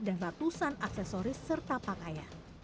dengan aksesoris serta pakaian